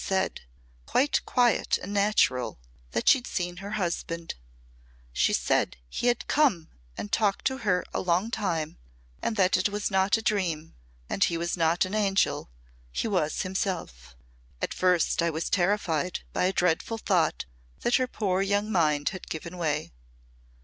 She said quite quiet and natural that she'd seen her husband. She said he had come and talked to her a long time and that it was not a dream, and he was not an angel he was himself. At first I was terrified by a dreadful thought that her poor young mind had given way.